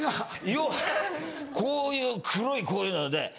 要はこういう黒いこういうので。